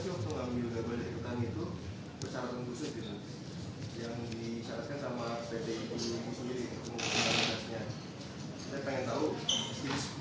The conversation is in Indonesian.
sebenarnya saya sentasi dari ru ini